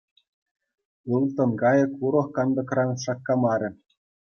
Ылтӑн кайӑк урӑх кантӑкран шаккамарӗ.